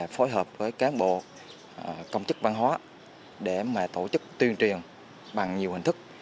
phối hợp với cán bộ công chức văn hóa để tổ chức tuyên truyền bằng nhiều hình thức